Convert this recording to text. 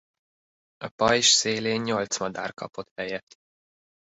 A pajzs szélén nyolc madár kapott helyet.